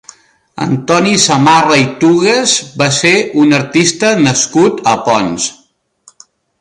Antoni Samarra i Tugues va ser un artista nascut a Ponts.